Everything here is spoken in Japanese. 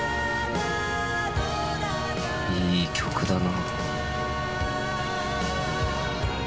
いい曲だな。